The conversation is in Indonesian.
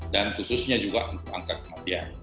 dan khususnya juga untuk angka kematian